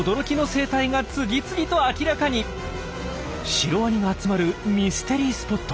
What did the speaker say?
シロワニが集まるミステリースポット。